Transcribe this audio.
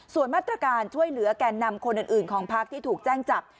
ส่วนมาตรการช่วยเหลือแก่นำคนอื่นของพักที่ถูกแจ้งจับ